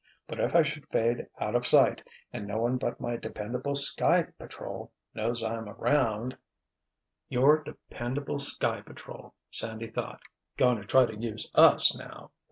But if I should fade out of sight, and no one but my dependable Sky Patrol knows I'm around——" "Your dependable Sky Patrol!" Sandy thought. "Going to try to use us now.